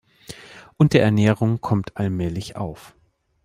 Unterernährung kommt allmählich auf.